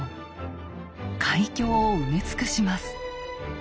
海峡を埋め尽くします。